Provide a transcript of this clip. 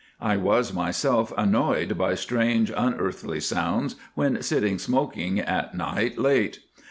I was myself annoyed by strange unearthly sounds when sitting smoking at night late.